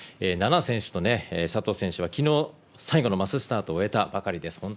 菜那選手と佐藤選手はきのう、最後のマススタートを終えたばかりです。